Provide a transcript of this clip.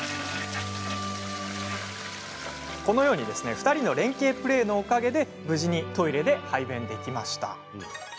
２人の連係プレーのおかげで無事にトイレで排便できました。